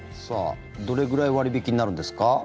どれぐらい割引になるんですか。